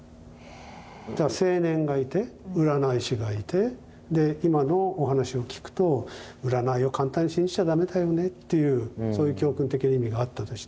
青年がいて占い師がいてで今のお話を聞くと占いを簡単に信じちゃ駄目だよねっていうそういう教訓的な意味があったとして。